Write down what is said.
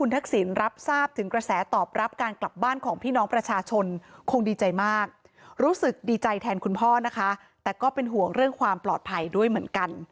แต่ก็เป็นห่วงเรื่องความปลอดภัยด้วยเหมือนกัน